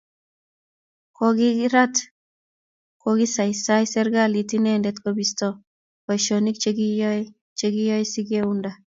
kukikirat kokiisaisai serikalit inendet kobisto boisinik che kiyoe che kiyoe sikeunda